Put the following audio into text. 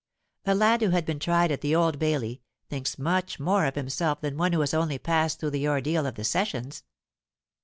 A lad who has been tried at the Old Bailey, thinks much more of himself than one who has only passed through the ordeal of the sessions.